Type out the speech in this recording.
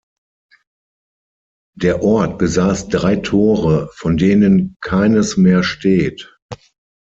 Der Ort besaß drei Tore, von denen keines mehr steht.